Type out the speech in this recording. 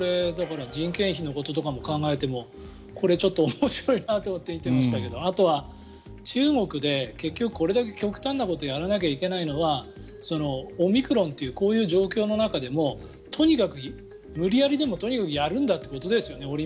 人件費のこととか考えてもこれ、面白いなと思って見ていましたけれどあとは中国で結局これだけ極端なことをやらなきゃいけないのはオミクロンというこういう状況の中でもとにかく無理やりでもやるんだってことですよね